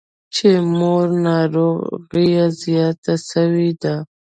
چې د مور ناروغي زياته سوې ده.